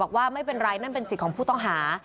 บอกว่าไม่เป็นไรนั่นเป็นสิทธิ์ของผู้ต้องหา